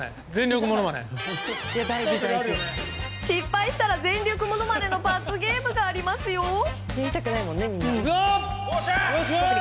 失敗したら全力ものまねの罰ゲームがありますよ。